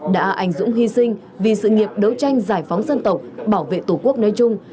đã ảnh dũng hy sinh vì sự nghiệp đấu tranh giải phóng dân tộc bảo vệ tổ quốc nói chung